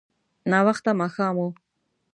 ناوخته ماښام و.